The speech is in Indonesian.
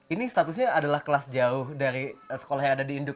ini statusnya adalah kelas jauh dari sekolah yang ada di induk